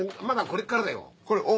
まだこれからだよ。